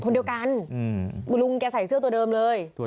คนเดียวกันคุณลุงแกใส่เสื้อตัวเดิมเลย